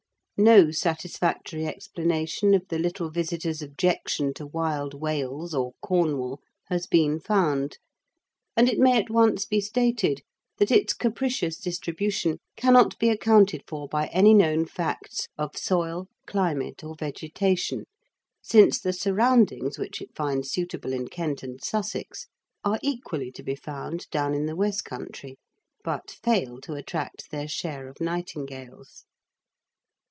No satisfactory explanation of the little visitor's objection to Wild Wales or Cornwall has been found, and it may at once be stated that its capricious distribution cannot be accounted for by any known facts of soil, climate, or vegetation, since the surroundings which it finds suitable in Kent and Sussex are equally to be found down in the West Country, but fail to attract their share of nightingales.